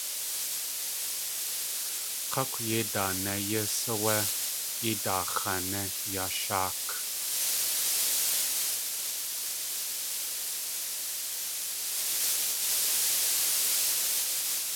K̲ákw yéi daané yís áwé yéi daax̲ané yá sháak.